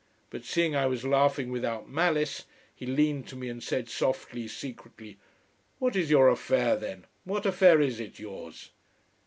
But seeing I was laughing without malice, he leaned to me and said softly, secretly: "What is your affair then? What affair is it, yours?"